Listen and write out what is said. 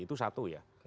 itu satu ya